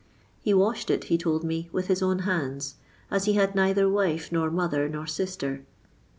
He washed it, he told me, with his own hands, as he had neither wife, nor mo ther, nor sister.